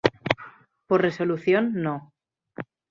Por resolución No.